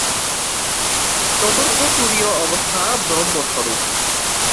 চতুর্থ তুরীয় অবস্থা ব্রহ্মস্বরূপ।